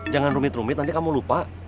jangan rumit rumit nanti kamu lupa